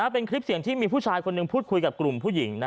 เป็นคลิปเสียงที่มีผู้ชายคนหนึ่งพูดคุยกับกลุ่มผู้หญิง